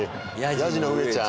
ヤジのうえちゃん。